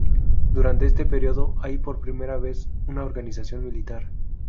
Durante este periodo hay por primera vez una organización militar.